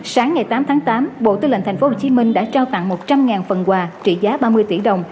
sáng ngày tám tháng tám bộ tư lệnh tp hcm đã trao tặng một trăm linh phần quà trị giá ba mươi tỷ đồng